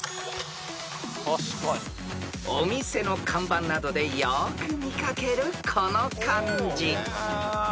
［お店の看板などでよく見掛けるこの漢字］